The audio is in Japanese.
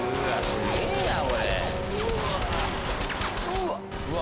すげえなこれ。